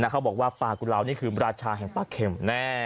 เขาบอกว่าปลากุลาวนี่คือราชาแห่งปลาเข็ม